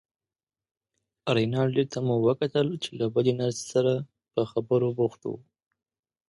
رینالډي ته مو وکتل چې له بلې نرسې سره په خبرو بوخت و.